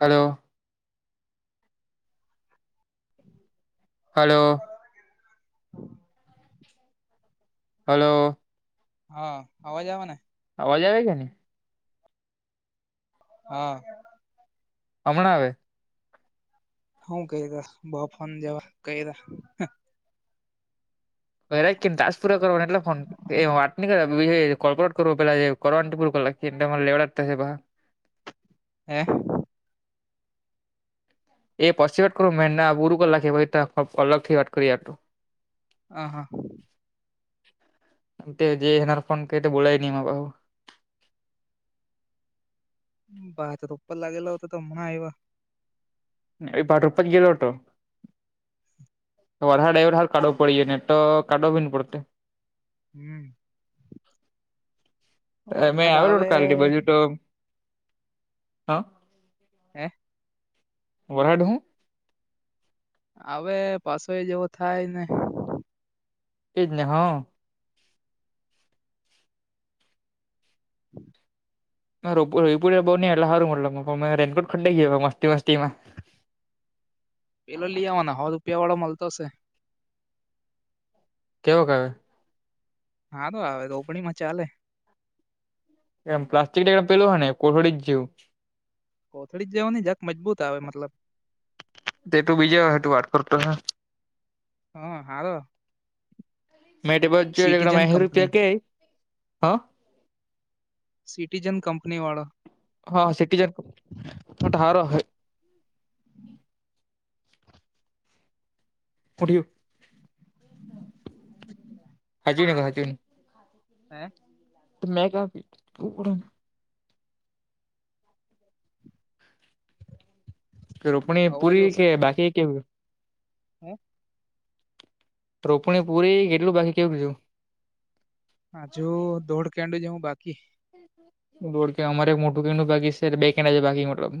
Hello. [inaudible] Hello. Hello. હા, આવાજ આવે ને? અવાજ આવે છે ને? હા. હમણાં આવે? હું કયારા બો ફોન જવા કયરા હ તસ પૂરા કરવા એટલે ફોન એ વાત નહી કરે. કોર્પોરેટ કર રોપેલા [inaudible] કર કરવા [inaudible] પૂર લ કેીને લે લાગતાશેબ પહા હ્યાં એ પછી વાત કરું મે ના પૂરું કર લાગે અલગ થી વાત કરી આપું. હ હા તે જે એનાર ફોન ક બોલાવીહી પાહુ બાત ર ઉપર લાગેલો હો હતો તો હમણા આયવા એ ભાત રોપાચ ગેલો અતો વરહાદ આવ્યો તો હા ર કાદેવ પૈડો ની તો કાદવ બીની પડતે હમ. મે આવે લો તે બાજુ તો હા હ્યાં વરહાદ હુ. આવે પાછો એ જેવો થાય ને એજ ને હા. [inaudible] રપુ [inaudible] બહુ ને એટલા સારું મળટ [inaudible] પણ રેનકોટ ફાટી ગયો મસ્તી મસ્તી માં પેલો લઈ આવવાના હો રૂપિયા વાળો મળતો છે. કેવો ક આ વે? હારો આવે રોપનીમાં ચાલે. એમ પ્લાસ્ટ્ટિક એક પેલો હો ને કોહર [unintelligible] જ જેીવ [inaudible] કોથળી જવાની જાક મજબૂત આવે મતલબ તે તુ બીજેય તું વાત કરતો ઓહે હમ્મ હારુ મે તેબાજુ જોયું તો સિટીજન અહીં કંપની રૂપિયા કેય હ સિટીજન કંપનીવાળા હા સટી જન કોટ હારો ઓહે [unintelligible] પૂડી્યું હાજુ ગ હજ હ્યાં તો કેવ [unintelligible] કે રોપણી અવાજ પૂરી કે બાકી કે હ. રોપુણી પુરી કેટલું બાકી કેવ કીદુ હજુ દોડ કેંડ જ હું બાકી દોડ કે અમારે એક મોટું કેડ બાકી છે બે કેડા છે બાકી મતલબ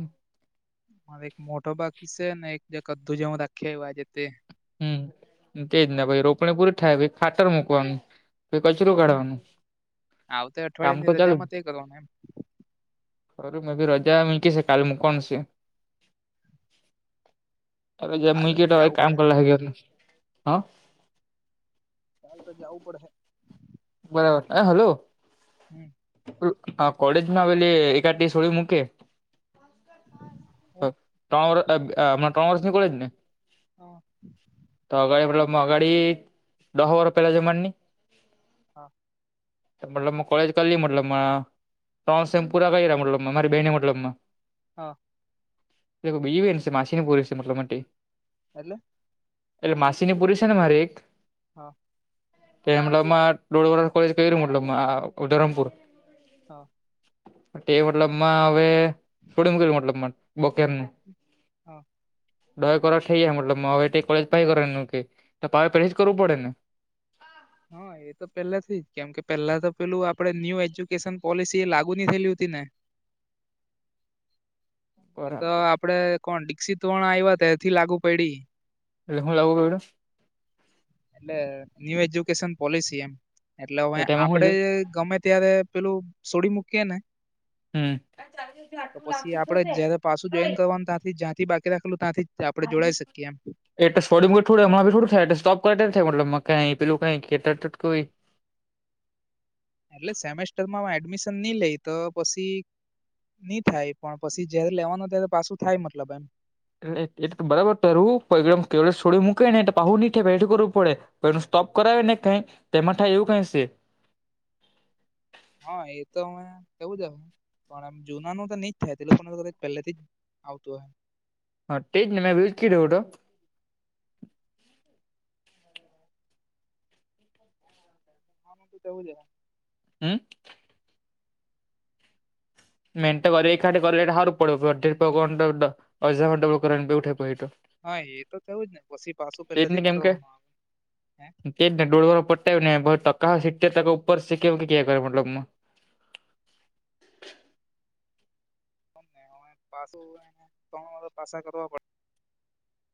મારે એક મોટો બાકી છે ને એક જે ક્ધું જ હું રાખ્યા આજે તે હમ્મ તેજ ને પહિ રોપણી પૂરી થાય પહિ ખાતર મૂકવાનું કે કચરો હમ કાઢવાનું. આવતે કામ અઠવાડિયા તો ની ચાલુ જ! રજામાં તે કરવાનું એમ આજે રજા મેકી સ, કાલે મૂકવાનું સે. રજા કાલે મૂઈકી, તો હવે જવું કામ પડે કરલા મારે તો. હૈગ્યો, હ? કાલ તો જવું પડહે. બરાબર. એ હલો? હમ્મ કોલેજમાં આવેલી એકા સોળી મૂકે હું? ટ અ માર ત્રણ વર્ષની કોલેજ ને હા તો અગાડી પલો મ અગાડી દહ વર પહેલા હમાજની હા મતલબ મા કોલેજ કલી મતલબમાં, ત્રણ સેમ પુરા કઇરા મતલબમાં, મારી બેને મતલબમાં હા એ તો બીજી બેન છે, માશીની પોયરી, મતલબમાં તે એટલે? એટલે માસી ની પૂરી છે ને મારી એક હા એ મતલબમાં દોઢ વર્ષ કોલેજ કઇરુ મતલબમાં ઓ, ધરમપુર. હા ટે મતલબમાં, હવે છોડી મૂકેલું મતલબમાં હવે બુકેમનું હા દહેક વરહ થઈ ગયા મતલબમાં, હવે ટે કોલેજ પાહિ કરવાનું કે, તો પાહુ ફરીથી કરવું પડે ને? હા એ તો પેલેથી જ, કેમ કે પેલા તો પેલું આપડે ન્યુ એજ્યુકેશન પોલિસી એ લાગુ ની થયેલી હતી ને! તો બરાબર આપડે કોણ, દીક્ષિત ભણવા આયવો ત્યારથી લાગુ પડી એટલે હું લાવવું અડ? એટલે ન્યુ એજ્યુકેશન પોલિસી એમ, એટલે હવે એ ટાઈમે હું આપડે જોયું ગમે અત્યારે પેલું સોડી મૂકીએ ને, હમ તો પછી આપડે જયારે પાછું જોઈન કરવાનું તાંરથી જ્યાંથી બાકી રાખેલું તાંથી આપડે જોડાઈ સકીએ, એમ. એટો છોડ્યું [unintelligible] થાય સ્ટોપ કરે મતલબમાં કઈ પેલુ કંઇ [unintelligible] કોઈ એટલે સેમેસ્ટરમાં એડમિશન નહી લઈ તો પસી ની થાય, પણ પસી જયારે લેવાનું ત્યારે પાછું થાય મતલબ એમ એ એ તો બરાબર તો હું પગડમ કે છોડી મૂકે ને તો પહુ નીઠે બેઠું કરવું પડે પેલુ એ સ્ટોપ કરાવે ને કઈ તો એમાં થાય એવું કઈ સે હા એ તો હવે એવું જ હસે પણ એમ જુનાનું તો ની જ થાય, તે લોકોને પેલેથી જ આવતુ હહે. હા તે જ ને, મેં બી એજ કીધુ હુતો. હ તો તેવું જ હમ મે તો કહ્યું એકહાથે કરે તો સારું પડ [unintelligible] પહિ તો. હા, એ તો થયું જ ને! પસી પાસું પેલેથી જ કવાનું આવે. હે [inaudible] એ જે ને, ડોડ વરહ ઉપર થયુને પણ ટકા સીટેર ટકા ઉપર સી કે એવું કયા કરે મતલબમાં [unintelligible] પાસુ, ત્રણ વરહ પાસા કરવા પડ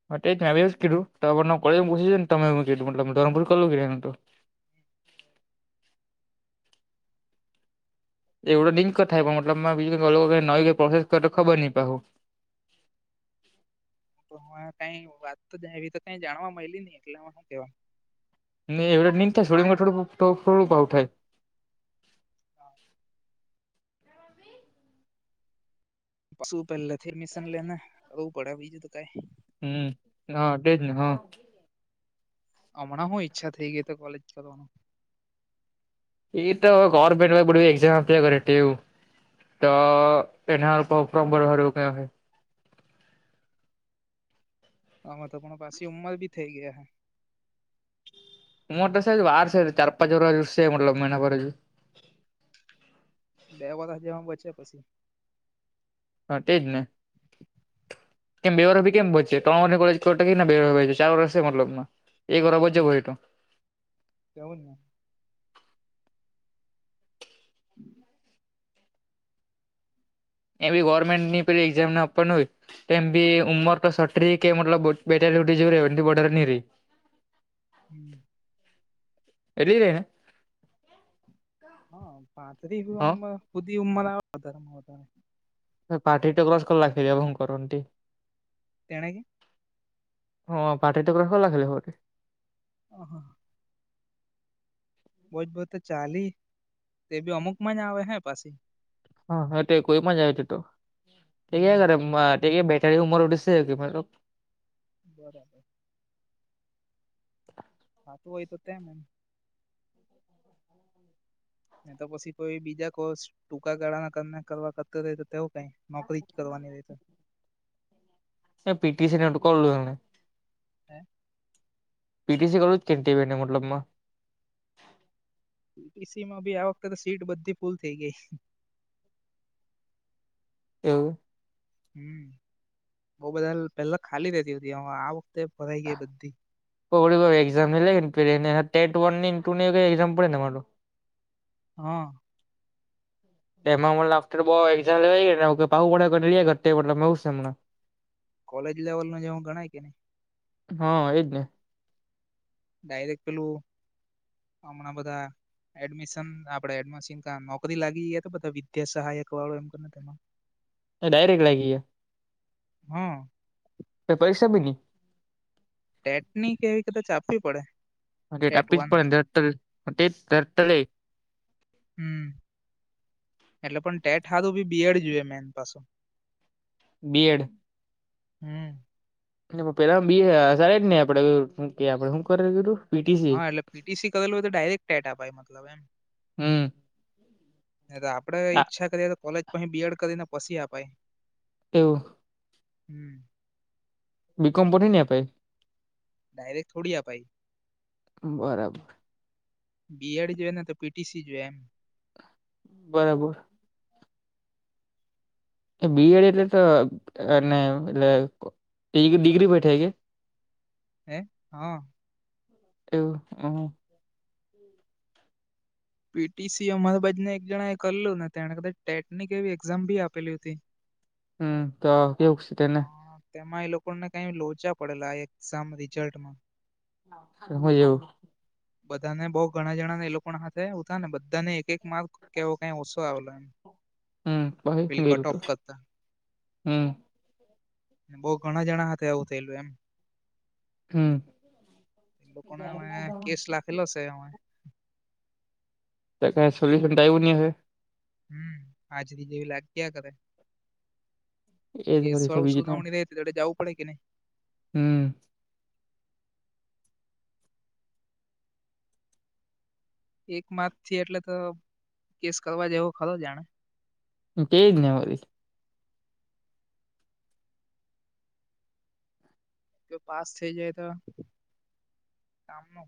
હા ટે સાહેબે એવું જ કીધું, તમારું નામ કોલેજમાં પૂછી જોજો ને, તમે જે છે મતલબમાં ધરમ પૂરું કરલુ ઘીરે એવડો લિંક થાય પણ બીજું કંઇ માલોવ મતલબમાં નવી કોઇ પ્રોસેસ કર ખબર નહિ પાહુ. હું તો કઈ વાત તો જ એવી તો કઈ જાણવા મયલી નહી, એટલે હુ સુ કેવા? ની એવરેજ ની થાય? છોડીને [unintelligible] થોડું ભાવ થાય હા સુ પેલાથી એડમિશન લે ને, કરવું પડે બીજું તો કઈ હમ હા તેજ ને હહ. હમણાં હું ઈચ્છા થઈ ગઈ એતો કોલેજ કરવાનું. એ તો ગવર્મેન્ટ વાળી બધી એક્ઝામ આપ્યા કરે તેવું. તો તેના પ્રોફોર્મ ભરવા હારુ કઈ અહે. આમાં તો પણ પાછી ઉંમર બી થઈ ગઈ હહે મોટ સેજ વાર સે, ચારપાચ વરસ છે મતલબમાં, એના પર હજુ બે વરહ જેવા બચે પછી? હા, ટે જ ને! કેમ બે વરહ ભી કેમ બચશે? ત્રણ વર્ષે કોલેજ છોડે ટે કે ના, ચાર વરષે મતલબ, એક વરસ વચ્ચે વયધુ. કેવુંજ હમ એવી ગવર્મેન્ટની પેલી એક્ઝામને આપવાનું હોય. તેમ ભી ઉમર તો છત્રી કે મતલબ બેતાલી હુધી જોઈરી એનથી વધારે નહીં રઈ. હમ [inaudible] લેને હહ પાતરી હા [inaudible] હુધી ઉંમર આવે વધારેમાં વધારે. મેં પાતરી તો ક્રોસ કર નાખ્યું હવે હું કરવાનું તે? તેણે કે? હહ પાતરી તો ક્રોસ કરી નાખ્યું હવે કે અ હહ હહ. બહુ જ બહુ તો ચાલી તે બી અમુકમાં જ આવે હે પસી. હા હા તે કોઈ પણ જાય તે તો કે ક્યાં હમ કરે ટેકે બેઠાની ઉંમર [inaudible] મતલબ. બરાબર. થાતો હોય તો તેમ એમ. નહીં તો પછી કોઈ બીજા કોર્સ ટૂંકા ગાળાના કરના કરવા કરતો રહે તો તેઓ કાઈ નોકરી જ કરવાની રે તો. એ પીટીસીની તો કરેલું એમને. હે? પીટીસી કરું જ કેમ તે ઈ મતલબમાં. પીટીસીમાં બી આ વખતે તો સીટ બધી ફૂલ થઈ ગઈ. એવું કે? હમ બહુ બધા પેલા ખાલી રેતી હતી હવે આ વખતે ભરાઈ ગઈ બધી. તો ઓલી વાર એક્ઝામએ લઈને તો એને ટેટ વનની ને ટુ ની એવું કઈ એક્ઝામે પડે ને તમારે તો? હહ એમાં મને લાગતું તો બહુ એક્ઝામ લેવાઈ ગઈ ને [inaudible] હું સે હમણાં. કોલેજ લેવલનો જે હું ગણાય કે નહીં? હહ એજ ને. ડાયરેક પેલું હમણાં બધા એડમિશન આપડે એડમાં સિનકા નોકરી લાગી ગઈ હે કે બધા વિદ્યા સહાયક વાળો એમ કરને તેમાં કે ડાયરેક્ટ લાગી ગયા? હહ તો પરીક્ષા બી ની? ટેટની કે એવી કદાચ આપવી પડે. હહ ટેટ આપવી જ પડે ને. [inaudible] હમ એટલે પણ ટેટ હારું ભી બિએડ જોઈએ મેન પાછું. બીએડ? હમ એનામાં પેલા બી સાર જ ને આપડે હું કે આપડે હું કરવા કીધું? પીટીસી હા એટલે પીટીસી કરેલું હોય તો ડાયરેક્ટ ટેટ અપાય મતલબ એમ. હમ એતો આપડે આ ઈચ્છા કરીએ તો કોલેજ પહી બીએડ કરીને પસી અપાય. એવું? હમ બીકોમ પછી ની અપાય? ડાયરેક્ટ થોડી અપાય. બરાબર. બીએડ જોઈએ ને તો પીટીસી જોએ બરાબર. બી એડ એટલે તો અને એટલે ડિગ્રી બેઠે કે એ હા. એ હ. હમ. પીટીસી અમરબજને એક જણા એ કરલું ને તેને કદાચ ટેટનિક એવી એક્ઝામ ભી આપેલી હતી. હમ તો કેવું. તેને પણ તેમાં એ લોકોને કઈ લોચા પડેલા આ એક્ઝામ રિઝલ્ટમાં એ હોું. બધા ને બઉ ઘણા જણા ને એ લોકો હાથે ઉથા ને બધાને એક એક માર્ક કેવું કઈ ઓછો આવેલોમ. હમ ભાઈ બરું તો કરતા હમ બઉ ઘણા જણા સાથેથે આવવું થયેલું એમ હમ એ લોકોને હવે કેસ લખેલો છે હવે. ત ક સોલ્યુશન આવું ન હે હમ આજથી જેવી લાગતીયા કરે એજ કેસ વરી છે વાળ બીજું તો સુનાવણી રે ત જવું પડે કે નહી. હમ. એક માસ થી એટલે તો કેસ કરવા જેવો ખરો જાણે. ક ને [unintelligible] વારી તો પાસ થઈ જાય તો કામ નુ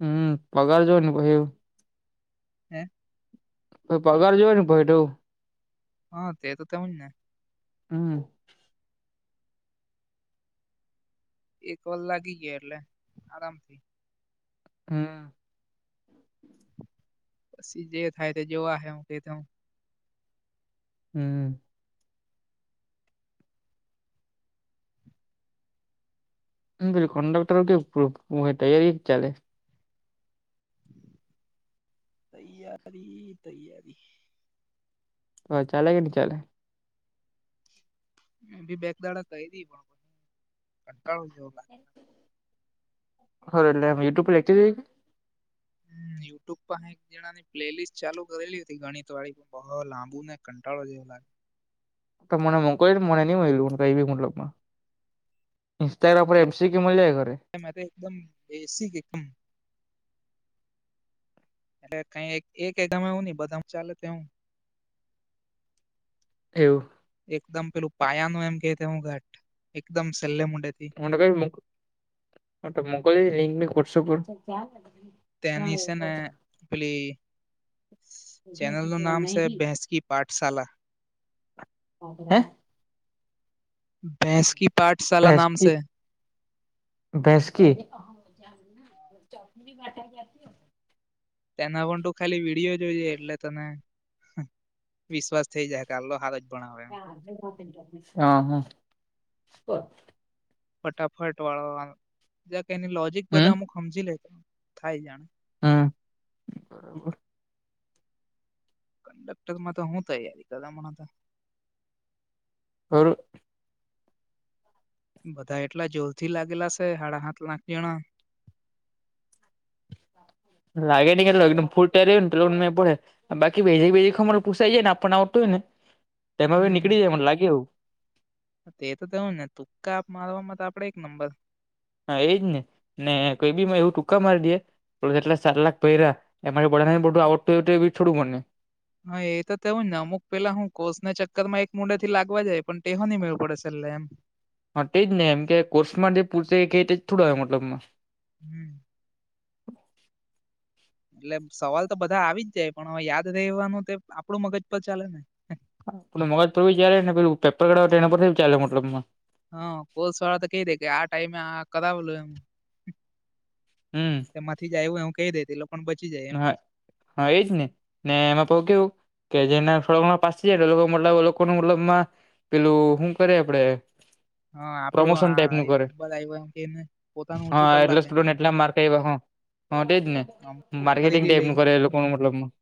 હમ પગાર જઈ ને [unintelligible] હે..... ભ પગાર જો ને ભાઈટુ હા તે તો તેવુંજ ને હમ એક વાર લાગી ગયા એટલે આરામથી હમ. પછી જે થાય તે જોવા હ [unintelligible] હમ હ પેલું કન્ડક્ટર કેવુંક તૈયારી હું ચલે તૈયારી તૈયારી હ ચાલે કે ની ચાલે મેંભી બેક દાડા કયરી પણ કંટાળો જેવો લા હ એ [unintelligible] ુટ્યબ પર [unintelligible] હ યુટ્યુબ પર એક જણાની પ્લેલિસ્ટ ચાલુ કરેલી હતી ગણિત વાળી પણ બો લાંબુ ને કંટાળો જેવો લાગે. તો મને મોકલ મને ની મળયું કઈ બી મતલબ માં ઇન્સ્ટાગ્રામ પર એમસીક્યુ મળિયા કરે. એમાં તે એકદમ એસી કે [unintelligible] કમ એટ કઈ એક એક એવું ની બધા ચાલેવું એવું એકદમ પેલું પાયા નું એમ કે તવું ઘટ એકદમ સલ્લે મુંડેથી મને કઈ મોકલની લિંકમીંક વોટ્સઅપ પર તેની છે ને પલી ચેનલ નું નામ છે બેસકીપ પાઠશાળલા હે... ભૈંસકી પાઠશાલા નામ છે. ભેંસટી - હી [unintelligible] તેના પણ ત ખાલી વિડીયો જોઈએ એટલે તને- વિશ્વાસ થઈ જાય આલો હારો- ભણાવે એમ હઅ- ફટાફટ વાળા કે એની લોજીક હમ બધા અમુક હમજી લેતા થાય જાણે- હા બરાબ- કંડક્ટર માં તો હું તૈયારી કરણા હતા- એ [unintelligible] બધા એટલા જોલથી લાગેલા છે હાડા હાથ લખ જણા- લાગે નહી કેટું એકદમ ફૂટે રહ્યું નેટનેં પડે- બાકી વેજી બેજી ખરું પુસાઈ જાય ને આપણને આવતું હોય ને તેમાં હમ નીકળી જાય મને લાગે એવુ - તે તો તેવું ને તુક્કા આપ મારવામાં તો આપડે એક નંબર- હા એજ ને ને કોઈ બી માં એવું ટૂંકા મારી દે જેટલા સાત લાખ ભયરા- એમાંથી બધાને આવડતું હોય થોડું બને- હા એ તો તેવું જ અમુક પેલા હું કોષ ચક્કર માં એક મુંડે થી લાગવા જાય પણ તેહો ની મેડ પડે છેલ્લે એમ- હા તેજ ને એમ કે કોર્સમાં જે પૂસાય તે થોડુ મતલબમાં હમ એટલે સવાલ તો બધા આવી જ જાય પણ હવે યાદ રવાનું તે આપડું મગજ પર ચાલે ને- હ મગજ પર ભી ચાલેપેલું પેપર કેવું કાડે તેની પર ભી ચાલે- હા કોસ વાળા તો કઈ ડે કે આ ટાઈમે કરાવેલું એમ- હમ એમાંથી જ આયવું એવું કેય દે તે લોકો બચી જાય- હ એમ હા એજ ને ને એમાં પાહુ કેવું- કે જેને [unintelligible] સ્ળમાં પાસ જેલોકો મતલબ લોકો ન મતલબમાં- પેલું હું કરે આપડે- હા આપડું પ્રમોશન ટાઈપ આ નું કરે નંબર આવ્યો એમ કેને પોતાનું ઊંચું હા કરી એટલે નાખે એમ સ્ટુડન્ટ એટલા માર્ક આયવા- હ તે જ ને અમુકને માર્કેટિંગ ખરીદી ટાઈપ લઈ નું કરે લોકો મતલબ-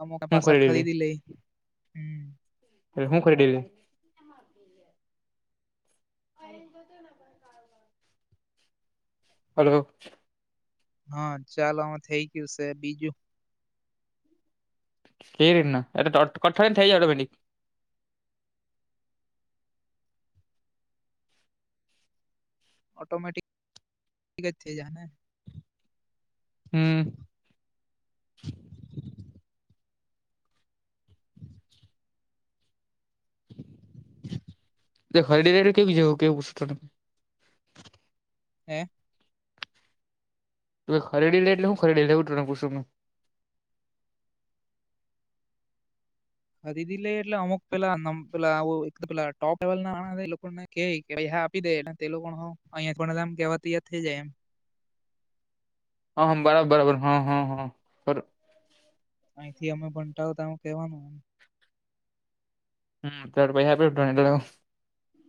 અમુક હું પાછા લે ખરીદી લઈ હમ- એરે હું કરી ડેલી- અ તો હલો હા ચાલો આમાં થઈ ગયું છે બીજું- ક રીટ ના એટ કઠર થઈ જાડ પેડી- ઓટોમેટિક થ જ ને- હમ એ ખરી ર કેવું જેવું કેવું પૂછ- હમ ત ખરીડી લ એટલે હું ખરીડી લેવ તુંને પૂછું મે- ખરીદી લે એટલે અમુક પેલા પેલા પેલા ટોપ લેવલ નાણા એ લોકો- કે કે પૈસા આપી દે તેલો પણ અહીયાયા પણમ કેવાથી યયાદ થઈ જાય એમ- હ હમ બરાબર બરાબર હા હા હા- અહીંથી અમે ભંતાાવોતા એું કેવાનું એમ- હમું પૈસા આપૂ ટ્રાય કરવા?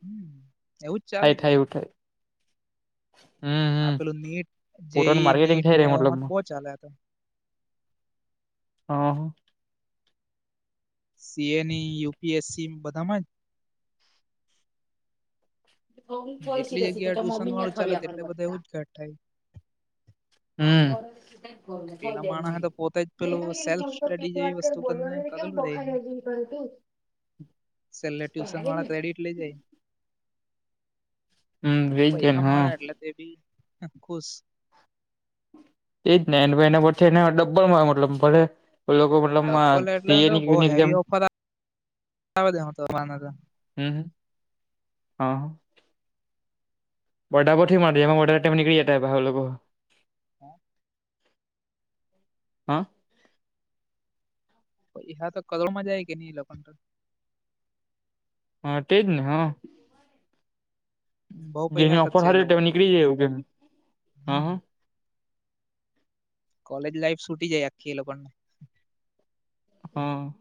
હમ એવુંજ ચાલે કે થાય નઈ- એવું થાય હમ આ હમ પેલું નીટ પોટનું જેઈ માર્કેટિંગ નીટ થઈ ને ર્યું એવામાં તો મતલબમાં- બહુ ચાલે તો હ [unintelligible] સી. એ. ની, યુપીએસસી, બધામાં જ. જેટલી જગ્યા ટ્યુશન વાળું ચાલે, એટલે બધા એવું જ ઘટ થાય. હમ પી બને પેલા માણસ તો પોતે જ પેલું સેલ્ફ સ્ટડી જેવી વસ્તુ કરીને કેમ કરેલું પખા રને જું [unintelligible] છેલ્લે ટ્યુશન વાળા ક્રેડિટ લઇ જાય- હમ એજ છે ને પૈસા હા મળે એટલે તે ભી ખુશ- એ જ ને ભાઈ, એ પછી ડબ્બલ માં મતલબ ભલે. એ લોકો મતલબ, ડબ્બલ એટલે તો સીએની કે બહુ એક્ઝામ. હેવી ઓફર આવે છે તો હ, હ, હા, હ. બર્થડે માંથી પાછા નીકળી જાય બધા લોકો. હા. હા. હ, તો કદોળમાં જાય કે ની, એ લોકો તો. હા, તેજ ને હા. બહુ પૈસા જેની ખર્ચે ઓફર એ હારી, લોકો તેવુ નીકળી જાય એવું કેમ? હા હમ હા. કોલેજ લાઈફ સુટી જાય આખી એ લોકોને હા.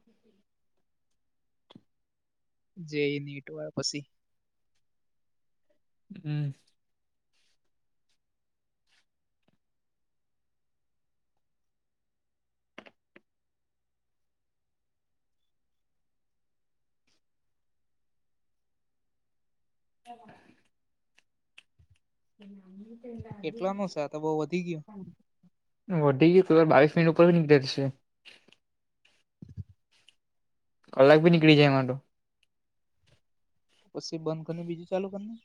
જે નીટ વાર પછી. હમ. [inaudible] કેટલા નો છે? તો બઉુ વધી ગયું. વધી ગયું કો? વાર બાવીસ મિનટ ઉપર બ નીકળશે. કલાક ભી નીકળી જાય માટે. તો પછી બંધ કરી, બીજું ચાલુ કરીને.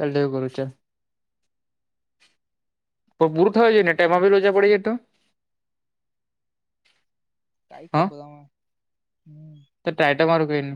ત્રણે ગુરુજન. તો પૂરું થયું જોઈને, ટાઈમ માં ભી રજા પડી જાય તો. કંઈ હા ખબર હ હમ. તો ટાટ મારું કઈને.